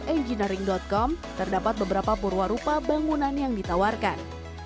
siap dari laman resmi tenfoldengineering com terdapat beberapa purwa rupa bangunan yang ditawarkan